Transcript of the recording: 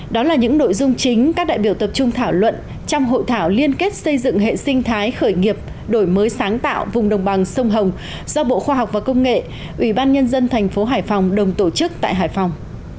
đó là những nội dung chính các đại biểu tập trung thảo luận trong hội thảo liên kết xây dựng hệ sinh thái khởi nghiệp đổi mới sáng tạo vùng đồng bằng sông hồng do bộ khoa học và công nghệ ủy ban nhân dân thành phố hải phòng đồng tổ chức tại hải phòng